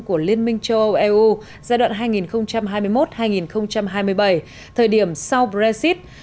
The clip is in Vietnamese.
của liên minh châu âu eu giai đoạn hai nghìn hai mươi một hai nghìn hai mươi bảy thời điểm sau brexit